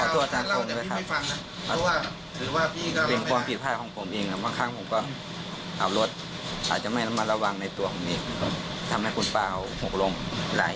ถ้าบ้างถูกส่องกับปรุงพฤติกรรมขับรถของตัวเองให้ดีกว่านี้